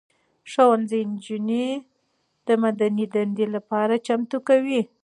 ښوونځي نجونې د مدني دندې لپاره چمتو کوي.